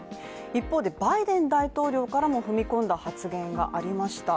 一方でバイデン大統領からも踏み込んだ発言がありました。